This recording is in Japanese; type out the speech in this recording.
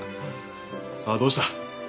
さあどうした。